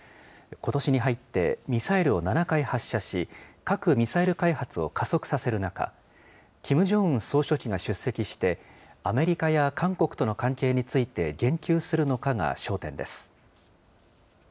ことしに入ってミサイルを７回発射し、核・ミサイル開発を加速させる中、キム・ジョンウン総書記が出席して、アメリカや韓国との関係について言及するのかが焦点です。